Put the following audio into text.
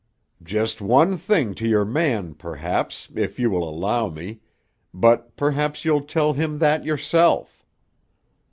"Just one thing to your man, perhaps, if you will allow me, but perhaps you'll tell him that yourself.